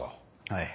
はい。